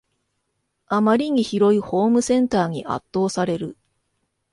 あまりに広いホームセンターに圧倒される